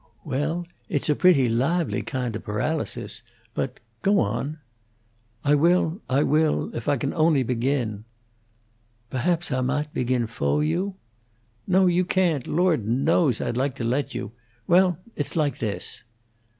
"Well, it's a pretty lahvely kyand of paralysis. But go on." "I will I will. If I can only begin." "Pohaps Ah maght begin fo' you." "No, you can't. Lord knows, I'd like to let you. Well, it's like this."